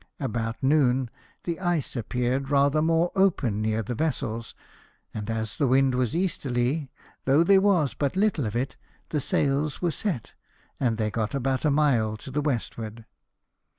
About noon the ice appeared rather more open near the vessels ; and as the wind was easterly, though there was but little of it, the sails were set, and they got about a mile to the westward.